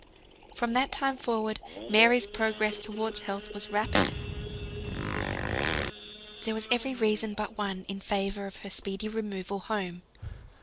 From that time forward Mary's progress towards health was rapid. There was every reason, but one, in favour of her speedy removal home.